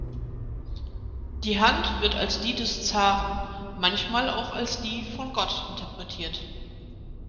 Die Hand wird als die des Zaren, manchmal auch als die von Gott interpretiert.